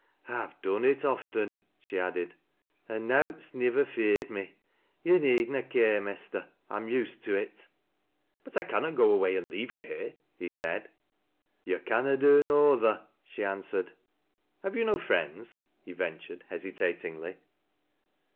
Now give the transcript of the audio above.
"I've done it often," she added, "an' nowts nivver, feared me. To' need na care, Mester, I'm used to it." " But I cannot go away and leave you here," he said. " Tou canna do no other," she answered. " Have you no friends ?" he ventured hesitatingly.